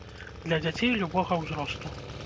Для дзяцей любога ўзросту.